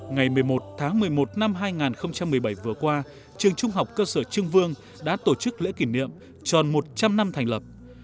ngày một mươi một tháng một mươi một năm hai nghìn một mươi bảy vừa qua trường trung học cơ sở trương vương đã tổ chức lễ kỷ niệm tròn một trăm linh năm thành lập